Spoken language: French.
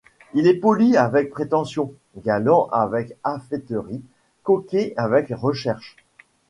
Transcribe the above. Il est poli avec prétention, galant avec afféterie, coquet avec recherche.